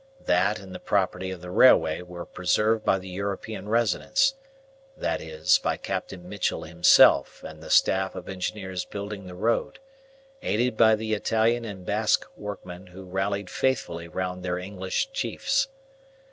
That and the property of the railway were preserved by the European residents; that is, by Captain Mitchell himself and the staff of engineers building the road, aided by the Italian and Basque workmen who rallied faithfully round their English chiefs.